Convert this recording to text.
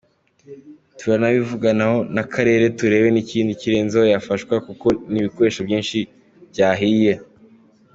Turanabivuganaho n’Akarere turebe ikindi kirenzeho yafashwa kuko n’ibikoresho byinshi byahiye.